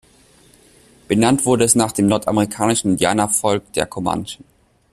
Benannt wurde es nach dem nordamerikanischen Indianervolk der Comanchen.